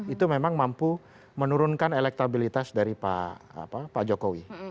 itu memang mampu menurunkan elektabilitas dari pak jokowi